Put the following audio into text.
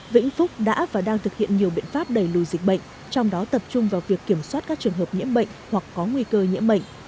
vĩnh phúc đã và đang thực hiện nhiều biện pháp đẩy lùi dịch bệnh trong đó tập trung vào việc kiểm soát các trường hợp nhiễm bệnh hoặc có nguy cơ nhiễm bệnh